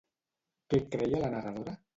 Què creia la narradora?